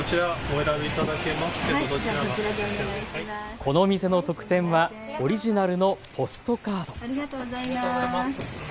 この店の特典はオリジナルのポストカード。